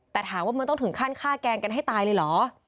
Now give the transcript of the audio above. แต่ถามว่ามันต้องถึงขั้นฆ่าแกล้งกันให้ตายเลยเหรอ